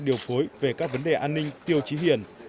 điều phối về các vấn đề an ninh tiêu chí hiền